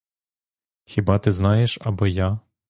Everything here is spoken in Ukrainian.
Хіба ти знаєш або я?